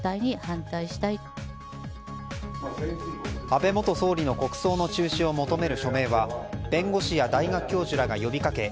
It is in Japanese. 安倍元総理の国葬の中止を求める署名は弁護士や大学教授らが呼びかけ